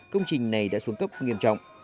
công trình này đã xuống cấp nghiêm trọng